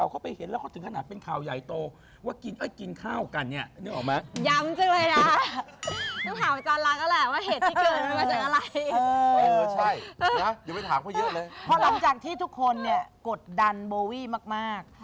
พอหลังจากที่ทุกคนกดดันเบาวี้มาก